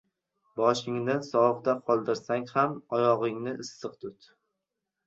• Boshingni sovuqda qoldirsang ham oyog‘ingni issiq tut.